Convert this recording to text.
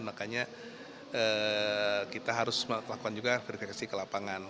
makanya kita harus melakukan juga verifikasi ke lapangan